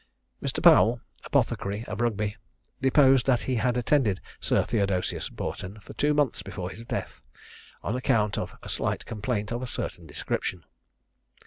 Mr. Powell, apothecary of Rugby, deposed that he had attended Sir Theodosius Boughton for two months before his death, on account of a slight complaint of a certain description.